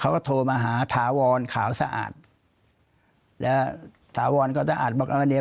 เขาก็โทรมาหาถาวรขาวสะอาดแล้วถาวรก็สะอาดบอกกรณี